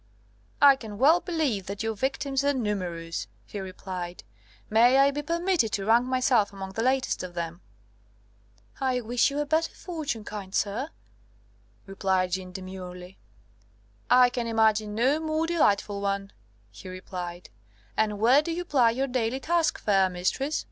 "I can well believe that your victims are numerous," he replied; "may I be permitted to rank myself among the latest of them?" "I wish you a better fortune, kind sir," answered Jeanne demurely. "I can imagine no more delightful one," he replied; "and where do you ply your daily task, fair mistress?